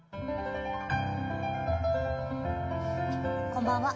こんばんは。